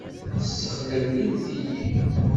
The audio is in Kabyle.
Tessexlellimt-iyi!